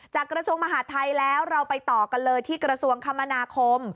กระทรวงมหาดไทยแล้วเราไปต่อกันเลยที่กระทรวงคมนาคม